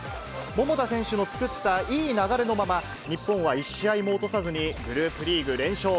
桃田選手の作ったいい流れのまま、日本は１試合も落とさずに、グループリーグ連勝。